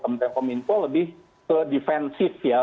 kementerian kominfo lebih ke defensif ya